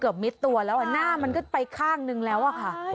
มิดตัวแล้วหน้ามันก็ไปข้างนึงแล้วอะค่ะ